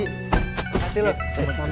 makasih lho sama sama